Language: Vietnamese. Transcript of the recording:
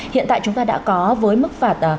hiện tại chúng ta đã có với mức phạt